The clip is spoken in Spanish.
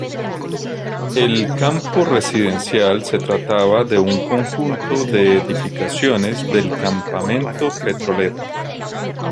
El campo residencial se trataba de un conjunto de edificaciones del campamento petrolero.